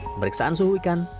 pemeriksaan suhu ikan